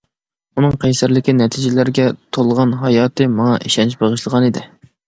ئۇنىڭ قەيسەرلىكى، نەتىجىلەرگە تولغان ھاياتى ماڭا ئىشەنچ بېغىشلىغانىدى.